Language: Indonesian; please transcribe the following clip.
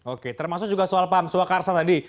oke termasuk juga soal pam swakarsa tadi